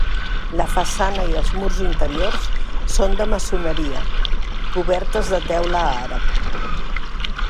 La façana i els murs interiors són de maçoneria, cobertes de teula àrab.